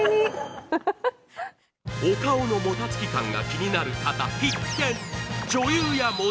お顔のもたつき感が気になる方、必見。